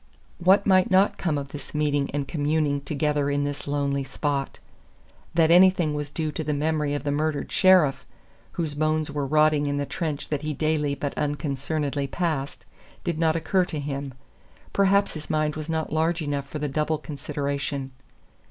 What might not come of this meeting and communing together in this lonely spot? That anything was due to the memory of the murdered sheriff, whose bones were rotting in the trench that he daily but unconcernedly passed, did not occur to him. Perhaps his mind was not large enough for the double consideration.